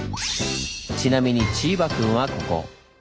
ちなみにチーバくんはここ。